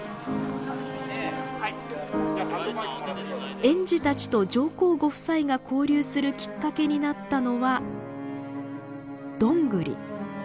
園児たちと上皇ご夫妻が交流するきっかけになったのはどんぐり。